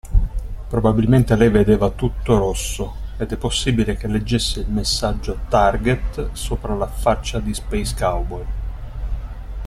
Probabilmente lei vedeva tutto rosso, ed è possibile che leggesse il messaggio "target" sopra la faccia di Space Cowboy.